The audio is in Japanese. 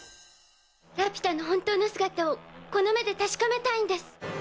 ラピュタの本当の姿をこの目で確かめたいんです。